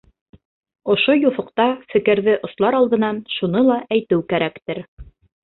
Ошо юҫыҡта фекерҙе ослар алдынан шуны ла әйтеү кәрәктер.